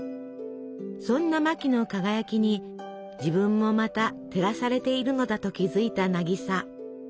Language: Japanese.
そんなマキの輝きに自分もまた照らされているのだと気付いた渚。